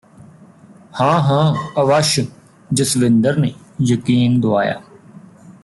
ਹਾਂ ਹਾਂ ਅਵੱਸ਼ ਜਸਵਿੰਦਰ ਨੇ ਯਕੀਨ ਦੁਆਇਆ